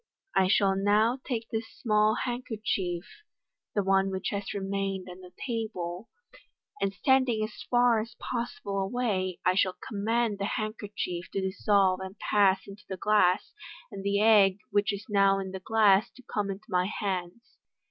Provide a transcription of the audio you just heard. I shall now take this small handkerchief " (the one which has remained on the table), "and standing as far as possible away, I shall com mand the handkerchief to dissolve and pass into the glass, and the egg which is now in the glass to come into my hands."